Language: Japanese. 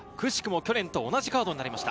去年と同じカードになりました。